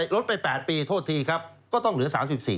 ลดไป๘ปีโทษทีครับก็ต้องเหลือ๓๔